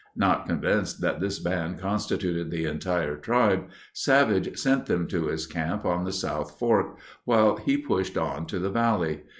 Not convinced that this band constituted the entire tribe, Savage sent them to his camp on the South Fork while he pushed on to the valley.